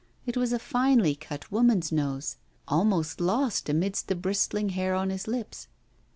It was a finely cut woman's nose, almost lost amidst the bristling hair on his lips.